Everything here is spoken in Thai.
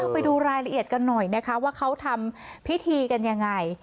ไปดูรายละเอียดกันหน่อยนะคะว่าเขาทำพิธีกันยังไง